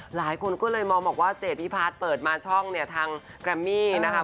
หลายคนกูเลยมองบอกว่าเจดพี่พาดเปิดมาช่องฯทางกระเมี่นะครับ